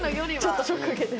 ちょっとショック受けて。